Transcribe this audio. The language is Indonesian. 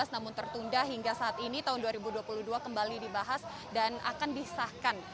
namun tertunda hingga saat ini tahun dua ribu dua puluh dua kembali dibahas dan akan disahkan